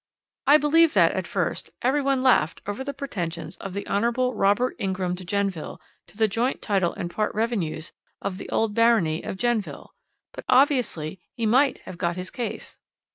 "I believe that, at first, every one laughed over the pretensions of the Hon. Robert Ingram de Genneville to the joint title and part revenues of the old barony of Genneville, but, obviously, he might have got his case.